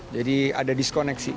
jadi ada diskoneksi